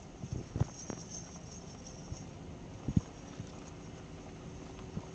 Los Cachorros lo habían señalado como su futuro cerrador.